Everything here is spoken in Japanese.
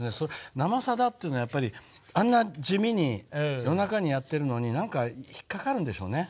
「生さだ」っていうのはやっぱりあんな地味に夜中にやってるのに何か引っ掛かるんでしょうね。